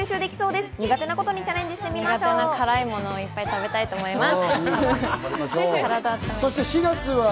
苦手な辛い物をいっぱい食べたいと思います。